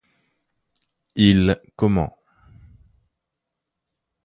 Il commen